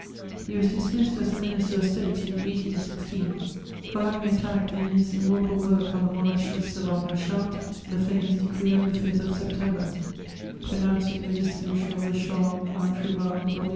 "He was dismissed as a minister of State, in 1816, for having attacked in his immortal work on the Monarchie selon la Charte, the famous decree of the 5th of September, pronouncing the dissolution of the Chambre introuvable of 1815.